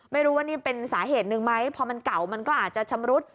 ไม่รู้ว่านี่เป็นสาเหตุหนึ่งไหมพอมันเก่ามันก็อาจจะชำรุด